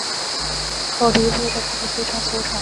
口鼻部的骨头非常修长。